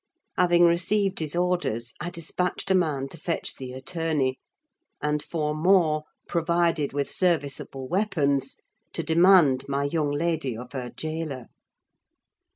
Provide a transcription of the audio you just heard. Having received his orders, I despatched a man to fetch the attorney, and four more, provided with serviceable weapons, to demand my young lady of her jailor.